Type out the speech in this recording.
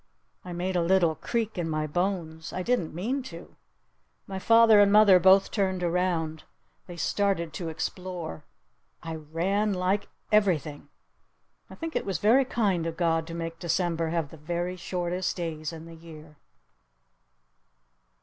I made a little creak in my bones. I didn't mean to. My father and mother both turned round. They started to explore! I ran like everything! I think it was very kind of God to make December have the very shortest days in the year!